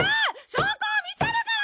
証拠を見せるから！